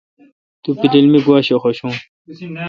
تو پیلیل می گوا شہ حوشون۔